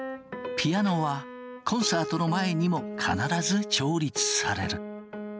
ピアノはコンサートの前にも必ず調律される。